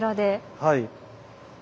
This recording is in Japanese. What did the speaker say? はい。